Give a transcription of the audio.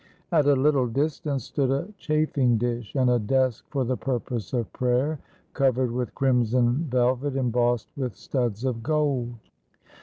At a little dis tance stood a chafing dish, and a desk for the purpose of prayer, covered with crimson velvet embossed with studs of gold.